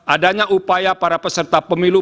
adanya upaya para peserta pemilu